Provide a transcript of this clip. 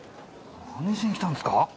何しに来たんですか？